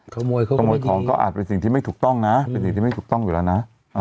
ขโมยของก็อาจจะไปสิ่งที่ไม่ถูกต้องนะ